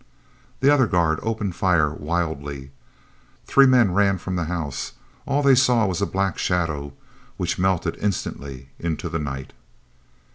The other guard opened fire wildly. Three men ran from the house. All they saw was a black shadow which melted instantly into the night.